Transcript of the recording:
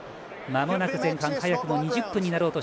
まもなく前半早くも２０分。